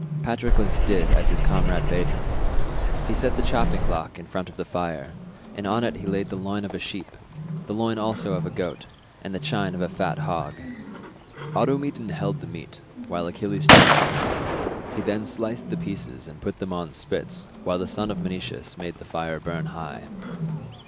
Patroclus did as his comrade bade him; he set the chopping block in front of the fire, and on it he laid the loin of a sheep, the loin also of a goat, and the chine of a fat hog. Automedon held the meat while Achilles chopped it; he then sliced the pieces and put them on spits while the son of Menoetius made the fire burn high.